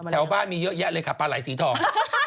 แถวบ้านมีเยอะแยะเลยค่ะปลาไหลสีทอง